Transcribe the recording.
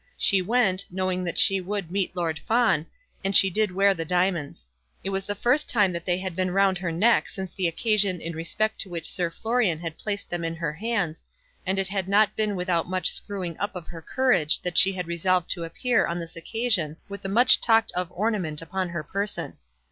She went, knowing that she would meet Lord Fawn, and she did wear the diamonds. It was the first time that they had been round her neck since the occasion in respect to which Sir Florian had placed them in her hands, and it had not been without much screwing up of her courage that she had resolved to appear on this occasion with the much talked of ornament upon her person.